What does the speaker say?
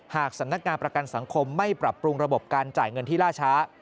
หากสำนักงานประกันสังคมไม่ปรับปรุงระบบการจ่ายเงินที่ล่าช้า